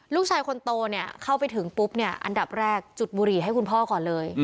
ลูกชายคนโตเนี่ยเข้าไปถึงปุ๊บเนี่ยอันดับแรกจุดบุหรี่ให้คุณพ่อก่อนเลย